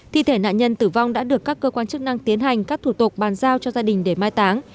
thi thể nạn nhân tử vong đã được các cơ quan chức năng tiến hành các thủ tục bàn giao cho gia đình để mai táng